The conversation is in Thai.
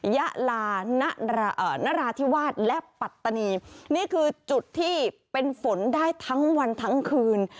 ยะลานราธิวาสและปัตตานีนี่คือจุดที่เป็นฝนได้ทั้งวันทั้งคืน